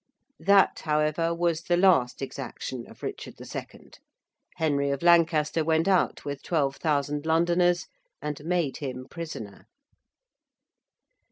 That, however, was the last exaction of Richard II. Henry of Lancaster went out with 12,000 Londoners, and made him prisoner.